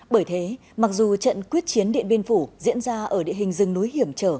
bởi thế mặc dù trận quyết chiến điện biên phủ diễn ra ở địa hình rừng núi hiểm trở